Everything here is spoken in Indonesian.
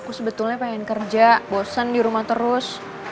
aku sebetulnya pengen kerja bosen di rumah terus